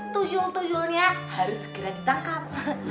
tuyul tuyulnya harus segera ditangkap